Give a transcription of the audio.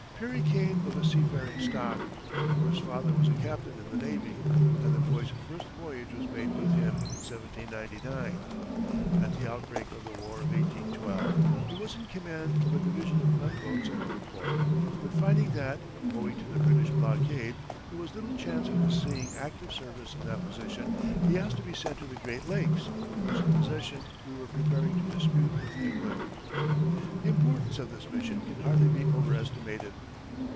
Perry came of a seafaring stock, for his father was a captain in the navy, and the boy's first voyage was made with him in 1799. At the outbreak of the war of 1812, he was in command of a division of gunboats at Newport, but finding that, owing to the British blockade, there was little chance of his seeing active service in that position, he asked to be sent to the Great Lakes, whose possession we were preparing to dispute with England. The importance of this mission can hardly be overestimated.